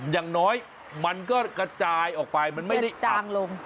อย่างน้อยมันก็กระจายออกไปมันไม่ได้จางลง